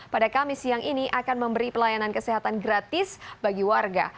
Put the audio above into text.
pada kamis siang ini akan memberi pelayanan kesehatan gratis bagi warga